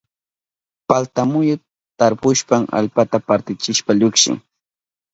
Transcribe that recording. Palta muyu tarpushpan allpata partichishpa llukshin.